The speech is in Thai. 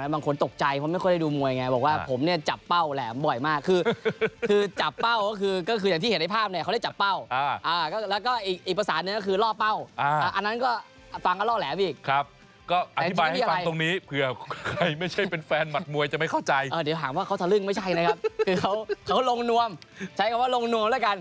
เขาลงนวมใช้คำว่าลงนวมแล้วกัน